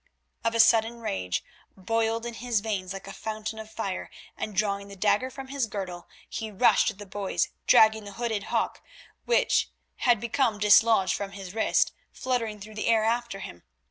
Of a sudden rage boiled in his veins like a fountain of fire, and drawing the dagger from his girdle, he rushed at the boys, dragging the hooded hawk, which had become dislodged from his wrist, fluttering through the air after him.